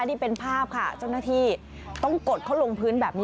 นี่เป็นภาพค่ะเจ้าหน้าที่ต้องกดเขาลงพื้นแบบนี้